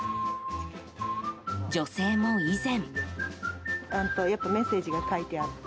女性も以前。